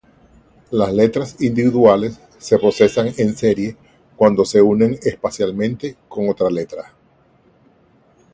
Las letras individuales se procesan en serie cuando se unen espacialmente con otra letra.